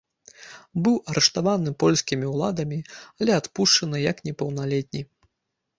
Быў арыштаваны польскімі ўладамі, але адпушчаны як непаўналетні.